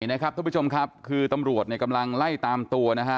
นะครับทุกผู้ชมครับคือตำรวจเนี่ยกำลังไล่ตามตัวนะฮะ